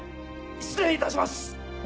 失礼いたします！